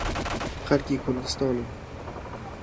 خەڵکی کوردستانم.